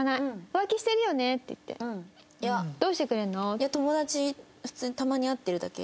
いや友達たまに会ってるだけ。